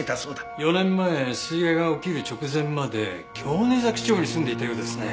４年前水害が起きる直前まで京根崎町に住んでいたようですね。